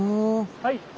はい。